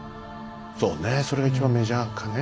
そうねそれが一番メジャーかね